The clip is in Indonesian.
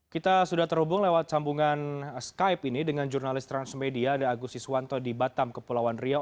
kita sudah terhubung lewat sambungan skype ini dengan jurnalis transmedia ada agus iswanto di batam kepulauan riau